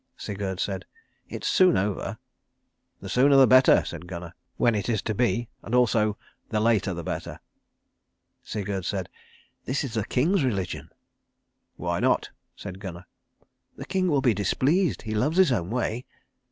Sigurd said, "It's soon over." "The sooner the better," said Gunnar, "when it is to be and also, the later the better." Sigurd said, "This is the king's religion." "Why not?" said Gunnar. "The king will be displeased. He loves his own way."